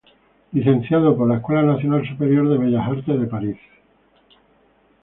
Licenciado por la Escuela Nacional Superior de Bellas Artes de Paris.